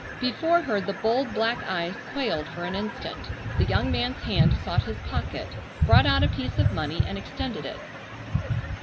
Before her the bold black eyes quailed for an instant. The young man's hand sought his pocket, brought out a piece of money and extended it.